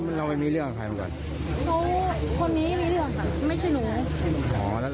ไม่ได้ไปเที่ยวค่ะหนูมากับน้องเพื่อจะมาคุย